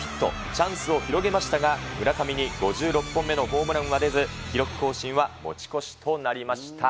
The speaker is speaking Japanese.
チャンスを広げましたが、村上に５６本目のホームランは出ず、記録更新は持ち越しとなりました。